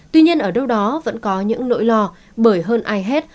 tuy nhiên ở đâu đó vẫn có những nỗi lo bởi hơn ai hết